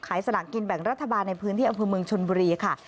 ขายสลักกินแบ่งรัฐบาลในพื้นที่อัมพื้นเมืองชนบุรี